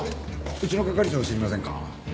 うちの係長知りませんか？